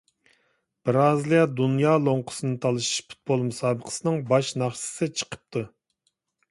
بىرازىلىيە دۇنيا لوڭقىسىنى تالىشىش پۇتبول مۇسابىقىسىنىڭ باش ناخشىسى چىقىپتۇ.